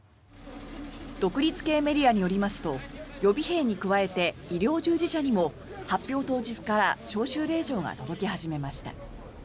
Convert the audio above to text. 独立系メディアによりますと予備兵に加えて医療従事者にも、発表当日から招集令状が届き始めました。